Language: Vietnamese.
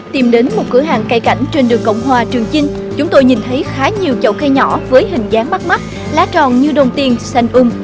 tìm đến một cửa hàng cây cảnh trên đường cộng hòa trường chinh chúng tôi nhìn thấy khá nhiều chậu khe nhỏ với hình dáng bắt mắt lá tròn như đồng tiền xanh um